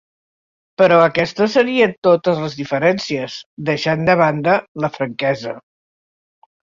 Però aquestes serien totes les diferències, deixant de banda la franquesa.